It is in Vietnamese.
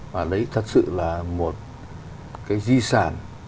mà đấy thật sự là một cái di sản